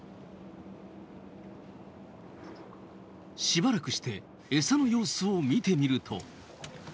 しばらくしてエサの様子を見てみると。